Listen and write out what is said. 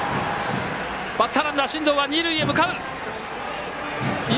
バッターランナー、進藤は二塁へ向かう！